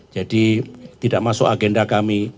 jadi tidak masuk agenda kami